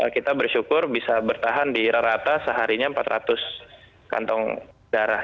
kita bersyukur bisa bertahan di rata seharinya empat ratus kantong darah